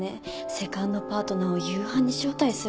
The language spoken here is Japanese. セカンドパートナーを夕飯に招待するなんて。